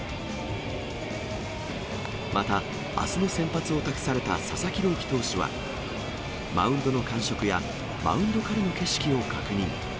また、あすの先発を託された佐々木朗希投手は、マウンドの感触や、マウンドからの景色を確認。